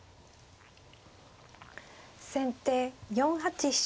先手４八飛車。